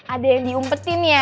ada yang diumpetin ya